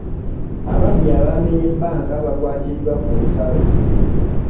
Ababbi abaamenye bbanka baabakwatidde ku nsalo.